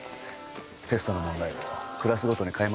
テストの問題をクラスごとに変えますか？